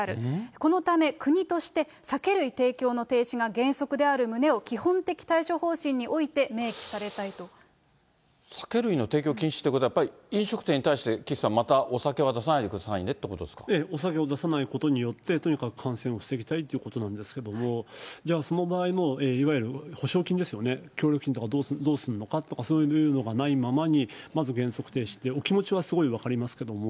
このため国として酒類提供の停止が原則である旨を基本的対処方針酒類の提供禁止っていうことは、やっぱり飲食店に対して、岸さん、またお酒は出さないでくだお酒を出さないことによって、とにかく感染を防ぎたいということなんですけれども、じゃあ、その場合のいわゆる補償金ですよね、協力金とかどうするのかとか、そういうのがないままに、まず原則停止って、お気持ちはすごい分かりますけど。